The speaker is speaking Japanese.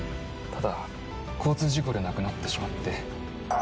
ただ交通事故で亡くなってしまって。